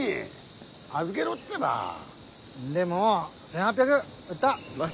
んでもう１，８００売ったぁ！